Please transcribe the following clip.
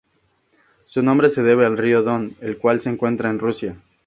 Su nombre se debe al río Don, el cual se encuentra en Rusia.